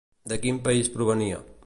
De quin país provenia?